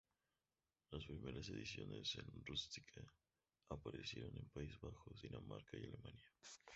Las primeras ediciones en rústica aparecieron en Países Bajos, Dinamarca y Alemania.